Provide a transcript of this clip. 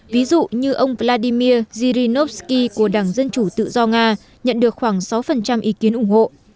ví dụ như ông vladimir zyrinovsky của đảng dân chủ tự do nga nhận được khoảng sáu ý kiến ủng hộ